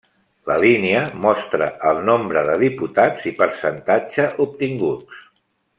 La línia mostra el nombre de diputats i percentatge obtinguts.